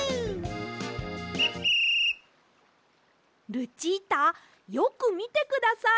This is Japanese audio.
ルチータよくみてください。